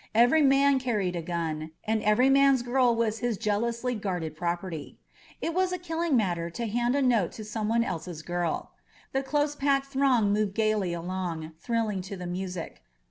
Every man carried a gun, and every man's girl was his jealously guarded property. It was a killing matter to hand a note to someone else's girl. The close packed throng moved gaily on, thrilling to the music.